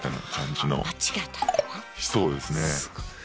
そうですね。